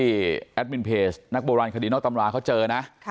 ดินไว้ในมีนเพจนักบรรวัณคดีนอกตำราเขาเจอนะ